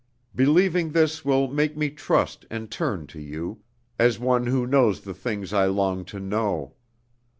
Believing this will make me trust and turn to you, as one who knows the things I long to know.